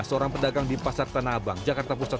seorang pedagang di pasar tanah abang jakarta pusat